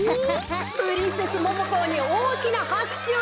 プリンセスモモコーにおおきなはくしゅを。